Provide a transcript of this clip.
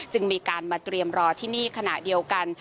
จึงมีการมาเตรียมรอที่นี่ขณะเดียวกัน